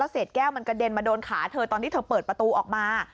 เศษแก้วมันกระเด็นมาโดนขาเธอตอนที่เธอเปิดประตูออกมา